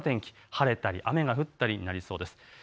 晴れたり雨が降ったりになりそうです。